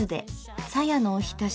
さやのおひたし。